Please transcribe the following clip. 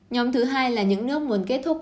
nhóm thứ hai là những nước muốn kết thúc